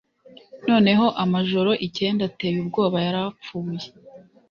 noneho amajoro icyenda ateye ubwoba yarapfuye;